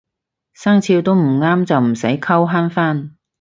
生肖都唔啱就唔使溝慳返